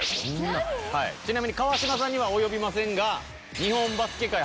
ちなみに川島さんには及びませんが。